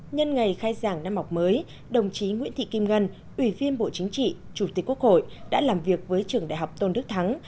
nhân ngày khai giảng năm học mới đồng chí nguyễn thị kim ngân ủy viên bộ chính trị chủ tịch quốc hội đã làm việc với trường đại học tôn đức thắng